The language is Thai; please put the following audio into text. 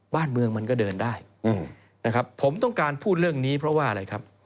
บ้านเมืองมันก็เดินได้นะครับผมต้องการพูดเรื่องนี้เพราะว่าอะไรครับ